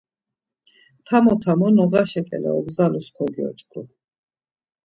Tamo tamo noğaşa ǩele ogzalus kogyoç̌ǩu.